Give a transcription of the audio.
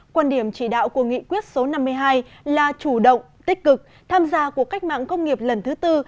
quan điểm chỉ đạo của nghị quyết số năm mươi hai là chủ động tích cực tham gia cuộc cách mạng công nghiệp lần thứ tư